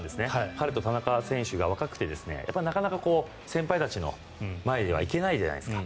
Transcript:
彼と田中選手が若くてなかなか先輩たちの前には行けないじゃないですか。